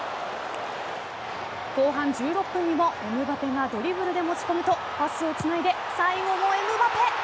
後半１６分にもエムバペがドリブルで持ち込むとパスをつないで最後もエムバペ。